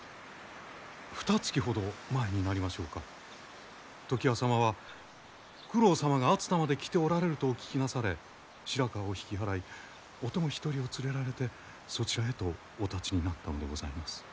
ふたつきほど前になりましょうか常磐様は九郎様が熱田まで来ておられるとお聞きなされ白河を引き払いお供一人を連れられてそちらへとおたちになったのでございます。